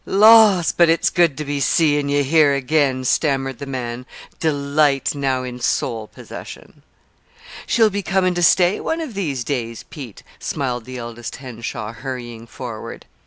"Laws! But it's good to be seein' you here again," stammered the man, delight now in sole possession. "She'll be coming to stay, one of these days, Pete," smiled the eldest Henshaw, hurrying forward.